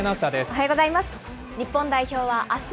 おはようございます。